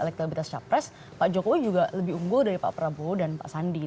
kalau kita lihat di media pres pak jokowi juga lebih unggul dari pak prabowo dan pak sandi